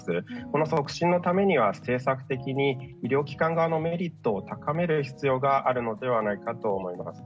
この促進のためには政策的に医療機関側のメリットを高める必要があるのではないかと思います。